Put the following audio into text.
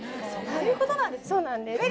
そういう事なんですね。